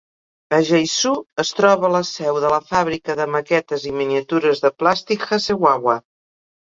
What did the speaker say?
A Yaizu es troba la seu de la fàbrica de maquetes i miniatures de plàstic Hasegawa.